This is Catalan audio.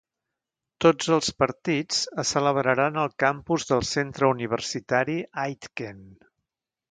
Tots els partits es celebraran al campus del Centre Universitari Aitken.